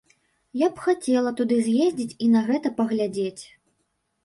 Я б хацела туды з'ездзіць і на гэта паглядзець.